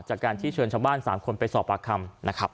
จากการที่เชิญชาวบ้าน๓คนไปสอบปากคำนะครับ